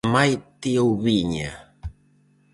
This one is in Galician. Maite Oubiña.